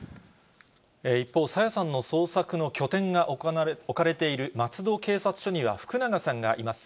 一方、朝芽さんの捜索の拠点が置かれている松戸警察署には福永さんがいます。